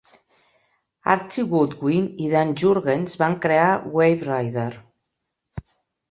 Archie Goodwin i Dan Jurgens van crear "Waverider".